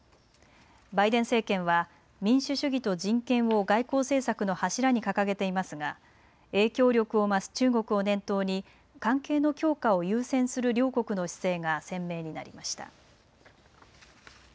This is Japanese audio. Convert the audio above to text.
バイデン政権は民主主義と人権を外交政策の柱に掲げていますが影響力を増す中国を念頭に関係の強化を優先する両国の姿勢が鮮明になりました。